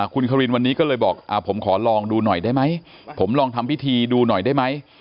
คุณครินวันนี้ก็เลยบอกผมขอลองดูหน่อยได้ไหมผมลองทำพิธีดูหน่อยได้ไหม